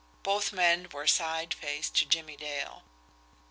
Both men were side face to Jimmie Dale.